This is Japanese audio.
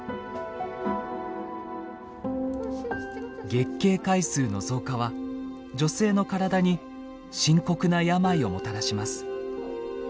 月経回数の増加は女性の体に深刻な病をもたらします。